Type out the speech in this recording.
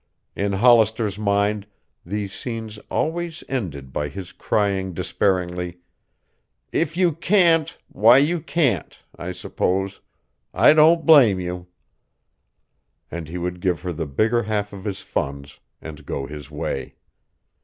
In Hollister's mind these scenes always ended by his crying despairingly "If you can't, why, you can't, I suppose. I don't blame you." And he would give her the bigger half of his funds and go his way.